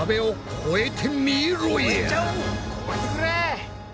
超えてくれ！